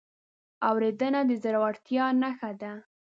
اورېدنه د زړورتیا نښه ده.